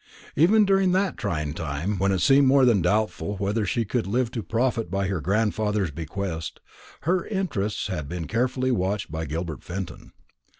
Even during that trying time, when it seemed more than doubtful whether she could live to profit by her grandfather's bequest, her interests had been carefully watched by Gilbert Fenton.